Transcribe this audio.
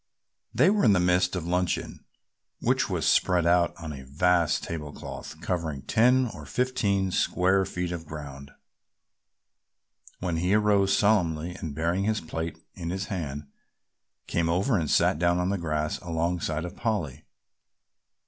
They were in the midst of luncheon, which was spread out on a vast table cloth covering ten or fifteen square feet of ground, when he arose solemnly and bearing his plate in his hand came over and sat down on the grass alongside of Polly.